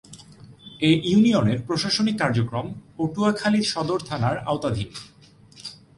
এ ইউনিয়নের প্রশাসনিক কার্যক্রম পটুয়াখালী সদর থানার আওতাধীন।